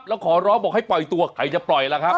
แล้วขอร้องบอกให้ปล่อยตัวใครจะปล่อยล่ะครับ